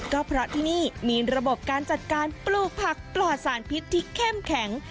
ก็เพราะที่นี่มีระบบการจัดการปลูกผักปลอดสารพิษที่เข้มแข็ง